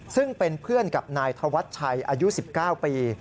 ซึ่งเป็นเพื่อนกับนายธวัชชัยอายุ๑๙ปี